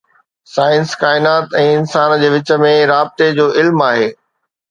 science ڪائنات ۽ انسان جي وچ ۾ رابطي جو علم آهي